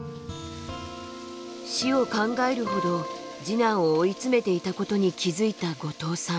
死を考えるほど次男を追いつめていたことに気付いた後藤さん。